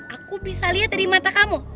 aku bisa lihat dari mata kamu